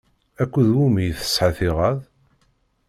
Akked wumi i tesɛa ttiɛad?